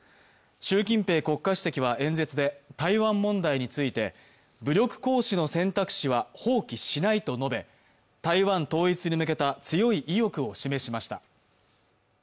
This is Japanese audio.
習近平国家主席は演説で台湾問題について武力行使の選択肢は放棄しないと述べ、台湾統一に向けた強い意欲を示しました。